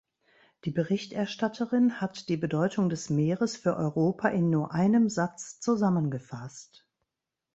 Die Berichterstatterin hat die Bedeutung des Meeres für Europa in nur einem Satz zusammengefasst.